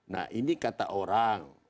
nah ini kata orang